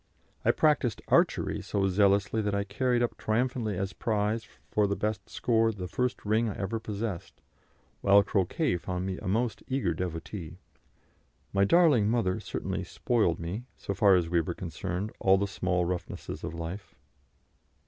I practised archery so zealously that I carried up triumphantly as prize for the best score the first ring I ever possessed, while croquet found me a most eager devotee. My darling mother certainly "spoiled" me, so far as were concerned all the small roughnesses of life.